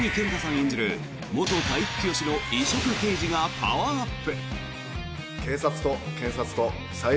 演じる元体育教師の異色刑事がパワーアップ！